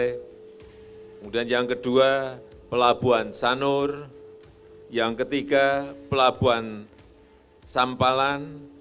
kemudian yang kedua pelabuhan sanur yang ketiga pelabuhan sampalan